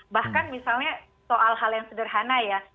bahkan misalnya soal hal yang sederhana ya